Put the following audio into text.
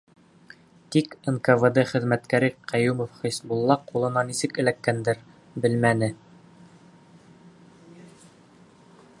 Тик НКВД хеҙмәткәре Ҡәйүмов Хисбулла ҡулына нисек эләккәндер, белмәне.